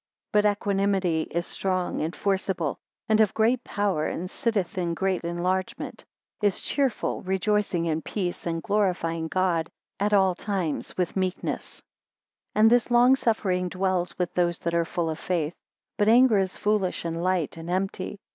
But equanimity is strong, and forcible; and of great power, and sitteth in great enlargement; is cheerful, rejoicing in peace; and glorifying God at all times I with meekness. 14 And this long suffering dwells with those that are full of faith. But anger is foolish, and light, and empty.